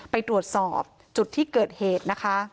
ไปตรวจสอบจุดที่เกิดเหตุนะคะ